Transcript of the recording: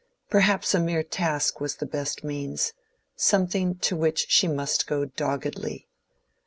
Perhaps a mere task was the best means—something to which she must go doggedly.